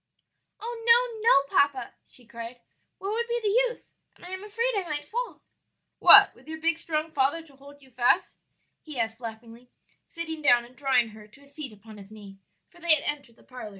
"Oh no, no, papa!" she cried, "what would be the use? and I am afraid I might fall." "What, with your big strong father to hold you fast?" he asked laughingly, sitting down and drawing her to a seat upon his knee; for they had entered the parlor.